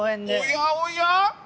おやおや？